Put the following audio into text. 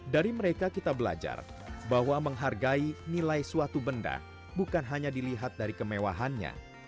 dari mereka kita belajar bahwa menghargai nilai suatu benda bukan hanya dilihat dari kemewahannya